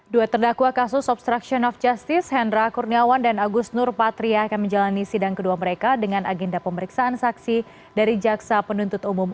dua terdakwa kasus obstruction of justice hendra kurniawan dan agus nur patria akan menjalani sidang kedua mereka dengan agenda pemeriksaan saksi dari jaksa penuntut umum